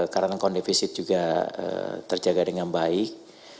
current account deficit juga terjaga dengan baik